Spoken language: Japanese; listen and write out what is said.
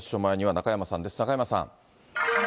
中山さん。